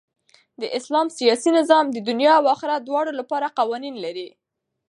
د اسلام سیاسي نظام د دؤنيا او آخرت دواړو له پاره قوانين لري.